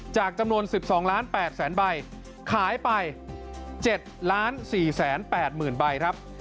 จากจำนวน๑๒๘๐๐๐๐๐ใบขายไป๗๔๘๐๐๐๐ใบ